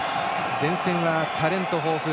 前線はタレント豊富。